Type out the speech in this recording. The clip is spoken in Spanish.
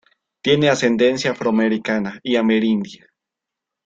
Tiene ascendencia afroamericana y amerindia.